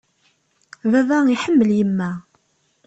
Baba iḥemmel yemma.